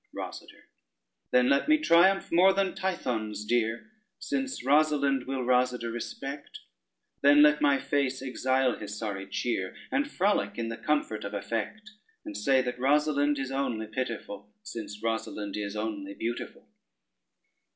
ROSADER Then let me triumph more than Tithon's dear, Since Rosalynde will Rosader respect: Then let my face exile his sorry cheer, And frolic in the comfort of affect; And say that Rosalynde is only pitiful, Since Rosalynde is only beautiful.